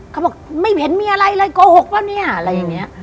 เขาบอกไม่เห็นมีอะไรเลยโกหกปะเนี่ย